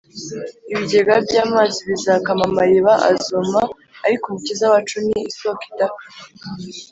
. Ibigega by’amazi bizakama, amariba azuma; ariko Umukiza wacu ni isoko idaka